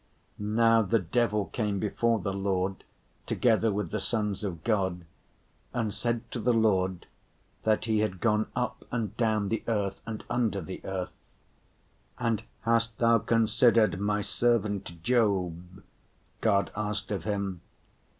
Now the devil came before the Lord together with the sons of God, and said to the Lord that he had gone up and down the earth and under the earth. "And hast thou considered my servant Job?" God asked of him.